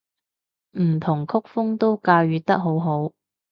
唔同曲風都駕馭得好好